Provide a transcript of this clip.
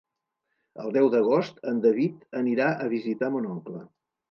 El deu d'agost en David anirà a visitar mon oncle.